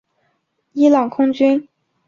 伊朗空军。